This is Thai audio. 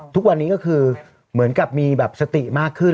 ทุกวันนี้ก็คือเหมือนกับมีแบบสติมากขึ้น